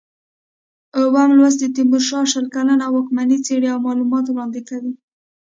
اووم لوست د تیمورشاه شل کلنه واکمني څېړي او معلومات وړاندې کوي.